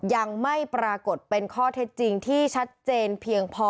ยังไม่ปรากฏเป็นข้อเท็จจริงที่ชัดเจนเพียงพอ